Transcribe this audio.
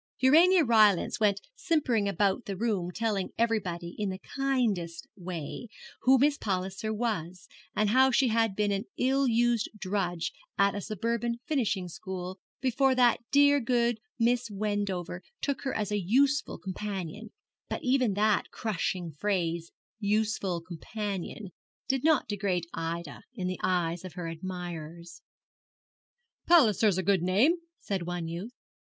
Urania Rylance went simpering about the room telling everybody, in the kindest way, who Miss Palliser was, and how she had been an ill used drudge at a suburban finishing school, before that dear good Miss Wendover took her as a useful companion; but even that crushing phrase, 'useful companion,' did not degrade Ida in the eyes of her admirers. 'Palliser's a good name,' said one youth.